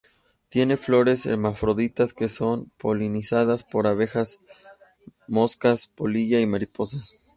Tiene flores hermafroditas que son polinizadas por abejas, moscas, polilla y mariposas.